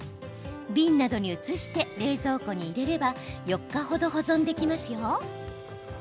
瓶などに移して冷蔵庫に入れれば４日程、保存できますよ。